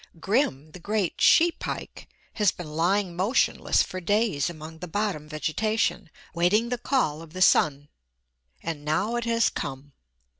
Grim, the great she pike, has been lying motionless for days among the bottom vegetation, waiting the call of the sun. And now it has come.